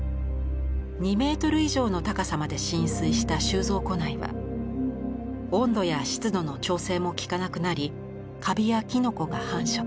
２メートル以上の高さまで浸水した収蔵庫内は温度や湿度の調整もきかなくなりカビやキノコが繁殖。